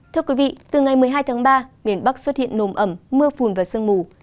thưa quý vị từ ngày một mươi hai tháng ba miền bắc xuất hiện nồm ẩm mưa phùn và sương mù